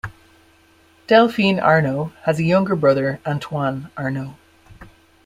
Delphine Arnault has a younger brother, Antoine Arnault.